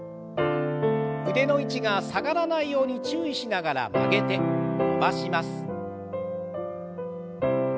腕の位置が下がらないように注意しながら曲げて伸ばします。